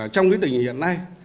trong tình hình hiện nay